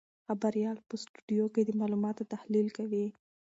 خبریال په سټوډیو کې د معلوماتو تحلیل کوي.